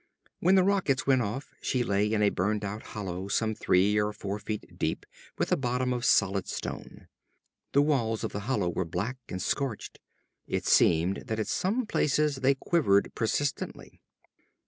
When the rockets went off, she lay in a burned out hollow some three or four feet deep with a bottom of solid stone. The walls of the hollow were black and scorched. It seemed that at some places they quivered persistently.